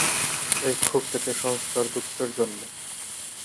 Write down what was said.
এই ক্ষোভ থেকে সংস্কার দুঃখের জন্ম।